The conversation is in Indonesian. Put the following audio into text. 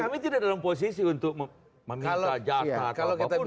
kami tidak dalam posisi untuk meminta jatah ataupun apa pun